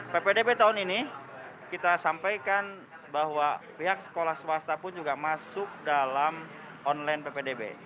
ppdb tahun ini kita sampaikan bahwa pihak sekolah swasta pun juga masuk dalam online ppdb